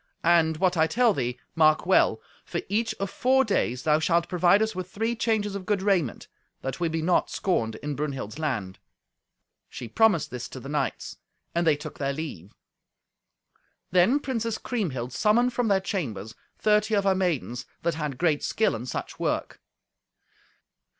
And what I tell thee, mark well. For each of four days thou shalt provide us with three changes of good raiment, that we be not scorned in Brunhild's land!" She promised this to the knights, and they took their leave. Then Princess Kriemhild summoned from their chambers thirty of her maidens that had great skill in such work.